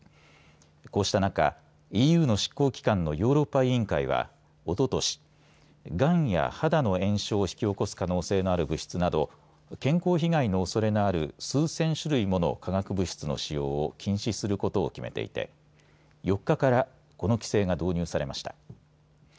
こうした中、ＥＵの執行機関のヨーロッパ委員会はおととし、がんや肌の炎症を引き起こす可能性のある物質など健康被害のおそれがある数千種類もの化学物質の使用を禁止することを決めていて４日からこの規制が導入されました。